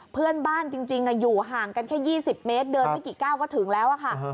เพื่อนบ้านจริงอยู่ห่างกันแค่๒๐เมตรเดินไม่กี่ก้าวก็ถึงแล้วค่ะ